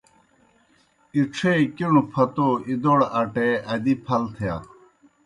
اِڇھے کِݨوْ پھتَو اِدَوڑ اٹے ادِی پھل تِھیا۔